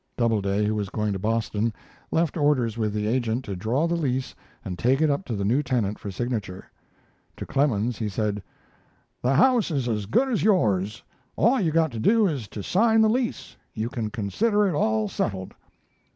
Doubleday, who was going to Boston, left orders with the agent to draw the lease and take it up to the new tenant for signature. To Clemens he said: "The house is as good as yours. All you've got to do is to sign the lease. You can consider it all settled."